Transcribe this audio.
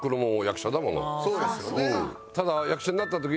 そうですよね。